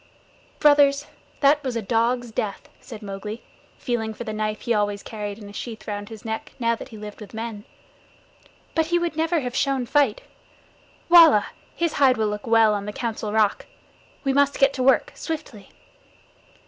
"Brothers, that was a dog's death," said Mowgli, feeling for the knife he always carried in a sheath round his neck now that he lived with men. "But he would never have shown fight. His hide will look well on the Council Rock. We must get to work swiftly."